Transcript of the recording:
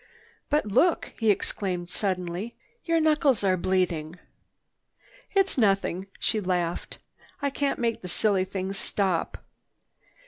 "But look!" he exclaimed suddenly. "Your knuckles are bleeding!" "It's nothing," she laughed. "I can't make the silly things stop."